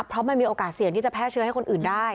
เพราะมันมีโอกาสเสี่ยงที่จะแพร่เชื้อให้คนอื่นได้